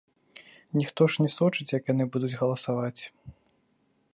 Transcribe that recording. Ніхто ж не сочыць, як яны будуць галасаваць.